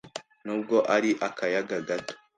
nubwo ari akayaga gato,